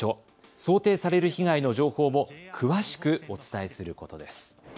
想定される被害の情報も詳しくお伝えすることです。